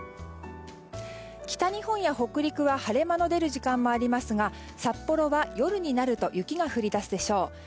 北日本や北陸は晴れ間の出る時間もありますが札幌は夜になると雪が降りだすでしょう。